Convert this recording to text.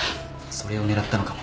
それを狙ったのかも。